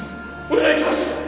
お願いします！